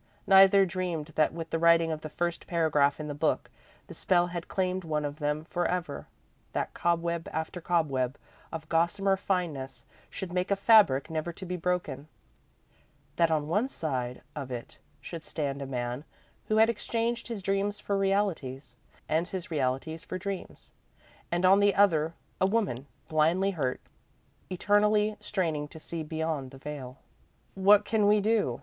Neither dreamed that with the writing of the first paragraph in the book, the spell had claimed one of them for ever that cobweb after cobweb, of gossamer fineness, should make a fabric never to be broken; that on one side of it should stand a man who had exchanged his dreams for realities and his realities for dreams, and on the other, a woman, blindly hurt, eternally straining to see beyond the veil. "What can we do?"